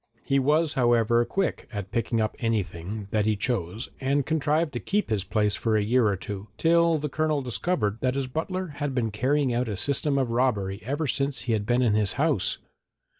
He was, however, quick at picking up anything that he chose and contrived to keep this place for a year or two, till the Colonel discovered that his butler had been carrying out a system of robbery ever since he had been in his house.